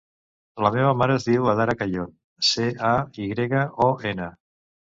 La meva mare es diu Adara Cayon: ce, a, i grega, o, ena.